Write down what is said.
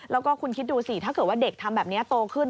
แล้วก็คุณคิดดูสิถ้าเกิดว่าเด็กทำแบบนี้โตขึ้น